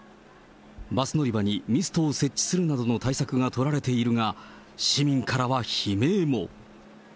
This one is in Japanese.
バス乗り場にミストを設置するなどの対策が取られているが、市民からは悲鳴も。